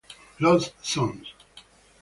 Lost Songs